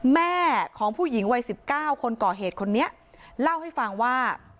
แม่ของผู้หญิงวัย๑๙คนก่อเหตุคนนี้เล่าให้ฟังว่า